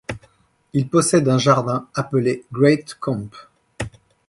Il possède un jardin appelé Great Comp.